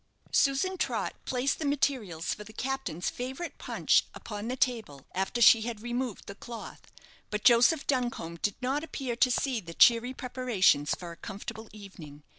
Susan Trott placed the materials for the captain's favourite punch upon the table after she had removed the cloth; but Joseph Duncombe did not appear to see the cherry preparations for a comfortable evening.